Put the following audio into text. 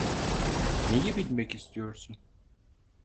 Neyi bilmek istiyorsun?